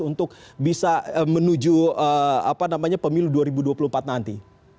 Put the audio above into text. untuk bisa menuju pemilu dua ribu dua puluh empat nanti